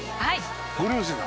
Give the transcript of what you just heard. ご両親だ」